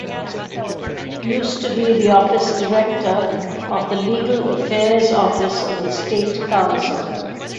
Used to be the office director of the legal affairs office of the state council.